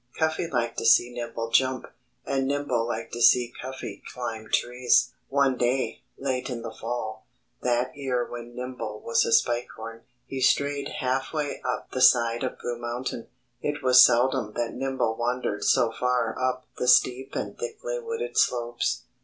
Cuffy liked to see Nimble jump. And Nimble liked to see Cuffy climb trees. One day, late in the fall, that year when Nimble was a Spike Horn, he strayed half way up the side of Blue Mountain. It was seldom that Nimble wandered so far up the steep and thickly wooded slopes.